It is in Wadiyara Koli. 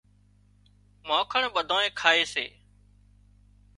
مانکڻ ٻڌانئين کائي سي